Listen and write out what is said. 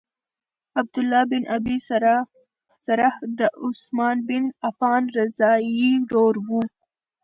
عبدالله بن ابی سرح د عثمان بن عفان رضاعی ورور وو.